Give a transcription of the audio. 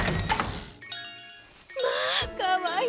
まあかわいい。